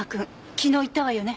昨日言ったわよね？